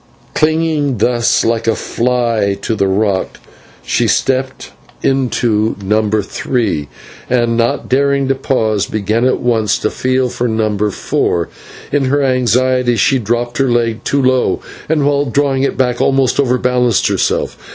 Clinging thus like a fly to the rock, she stepped into No. 3, and, not daring to pause, began at once to feel for No. 4. In her anxiety she dropped her leg too low, and while drawing it back almost overbalanced herself.